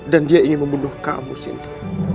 dan dia ingin membunuh kamu sinti